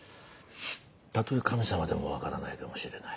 たとえ神様でも分からないかもしれない。